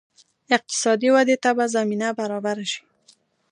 اقتصادي ودې ته به زمینه برابره شي.